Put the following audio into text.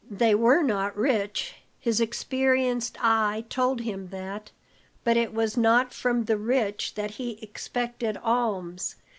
They were not rich, his experienced eye told him that, but it was not from the rich that he expected alms.